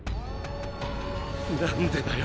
何でだよ